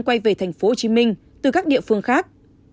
quay về tp hcm từ các địa phương khác